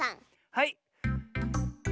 はい。